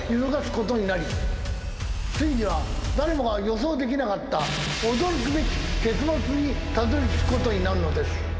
ついには誰もが予想できなかった驚くべき結末にたどりつくことになるのです。